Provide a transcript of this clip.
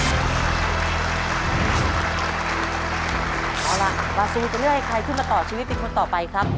เอาล่ะบาซูจะเลือกให้ใครขึ้นมาต่อชีวิตเป็นคนต่อไปครับ